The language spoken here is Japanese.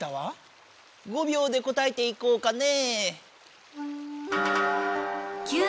５びょうで答えていこうかねえ。